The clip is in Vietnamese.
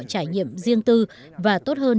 trải nghiệm riêng tư và tốt hơn